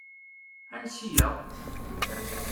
Ansi-aɣ?